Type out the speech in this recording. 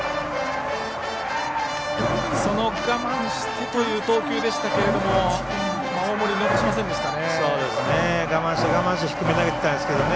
その我慢しての投球でしたけど大森、逃しませんでしたね。